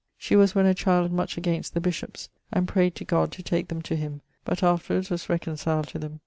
She was when a child much against the bishops, and prayd to God to take them to him, but afterwards was reconciled to them.